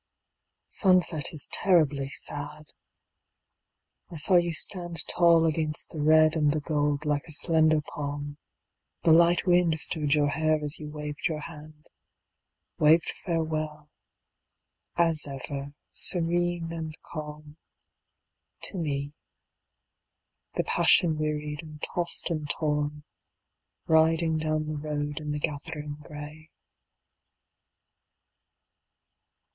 Sunset is terribly sad. I saw you stand Tall against the red and the gold like a slender palm ; The light wind stirred your hair as you waved your hand. Waved farewell, as ever, serene and calm. To me, the passion wearied and tost and torn, Riding down the road in the gathering grey.